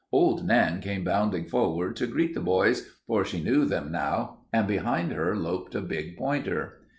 Old Nan came bounding forward to greet the boys, for she knew them now, and behind her loped a big pointer.